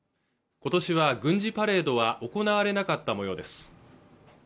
今年は軍事パレードは行われなかった模様です